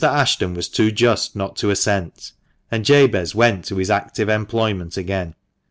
Ashton was too just not to assent, and Jabez went to his active employment again.